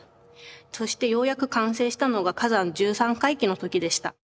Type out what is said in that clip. そしてようやく完成したのが崋山１３回忌の時でした。